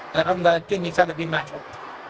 karena mungkin bisa lebih mahal